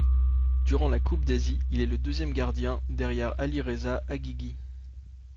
Durant la coupe d'Asie, il est le deuxième gardien, derrière Alireza Haghighi.